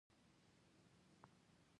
د اوبو شرهار روح ته سکون ورکوي